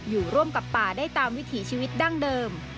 อยู่ร่วมกับป่าได้ตามวิถีชีวิตดั้งเดิม